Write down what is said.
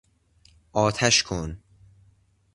آتش کن!